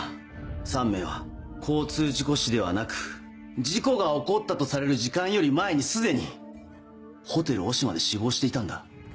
３名は交通事故死ではなく事故が起こったとされる時間より前に既にホテルオシマで死亡していたんだ。